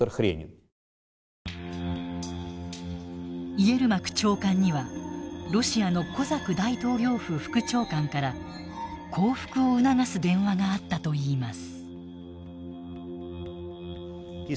イエルマク長官にはロシアのコザク大統領府副長官から降伏を促す電話があったといいます。